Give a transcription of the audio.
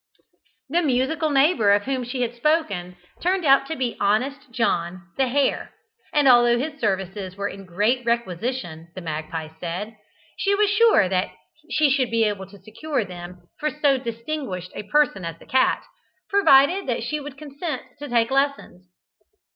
The musical neighbour of whom she had spoken, turned out to be "Honest John," the hare, and although his services were in great requisition, the magpie said, she was sure that she should be able to secure them for so distinguished a person as the cat, provided that she would consent to take lessons.